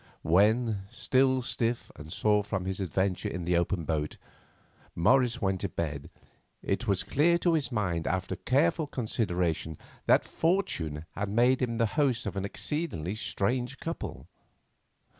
When, still stiff and sore from his adventure in the open boat, Morris went to bed, it was clear to his mind after careful consideration that fortune had made him the host of an exceedingly strange couple.